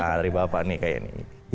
nah dari bapak nih kayaknya